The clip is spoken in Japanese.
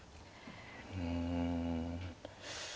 うん。